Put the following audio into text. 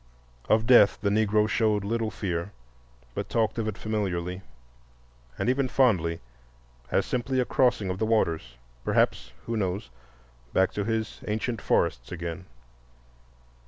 Of death the Negro showed little fear, but talked of it familiarly and even fondly as simply a crossing of the waters, perhaps—who knows?—back to his ancient forests again.